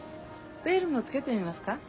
ベールもつけてみますか？